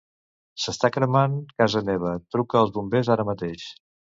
S'està cremant casa meva; truca als bombers ara mateix.